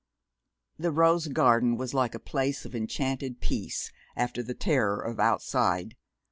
The rose garden was like a place of enchanted peace after the terror of outside.